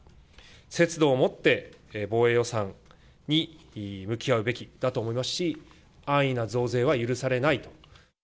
節度を持って防衛予算に向き合うべきだと思いますし、安易な増税は許されないと。